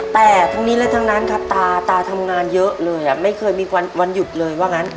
แต่ทั้งนี้และทั้งนั้นครับตาตาทำงานเยอะเลยไม่เคยมีวันหยุดเลยว่างั้น